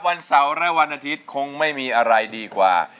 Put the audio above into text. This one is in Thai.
วันเสาร์และวันอาทิตย์คงไม่มีอะไรดีกว่า